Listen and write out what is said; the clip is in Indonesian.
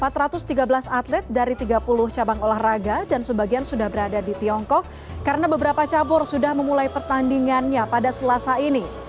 empat ratus tiga belas atlet dari tiga puluh cabang olahraga dan sebagian sudah berada di tiongkok karena beberapa cabur sudah memulai pertandingannya pada selasa ini